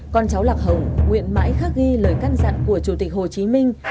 con cháu lạc hồng nguyện mãi khắc ghi lời căn dặn của chủ tịch hồ chí minh